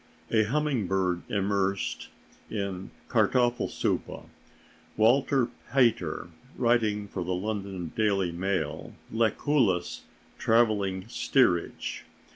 A humming bird immersed in Kartoffelsuppe. Walter Pater writing for the London Daily Mail. Lucullus traveling steerage....